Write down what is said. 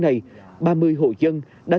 này ba mươi hộ dân đã